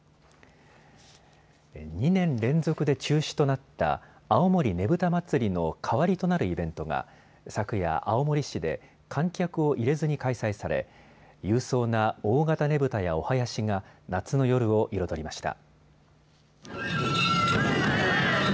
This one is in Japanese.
２年連続で中止となった青森ねぶた祭の代わりとなるイベントが昨夜、青森市で観客を入れずに開催され勇壮な大型ねぶたやお囃子が夏の夜を彩りました。